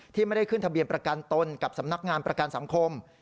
ไม่ได้ขึ้นทะเบียนประกันตนกับสำนักงานประกันสังคม